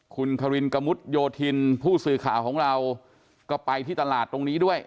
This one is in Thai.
คุณคารินกะมุดโยธินผู้สื่อข่าวของเราก็ไปที่ตลาดตรงนี้ด้วย